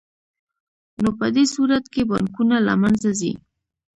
نو په دې صورت کې بانکونه له منځه ځي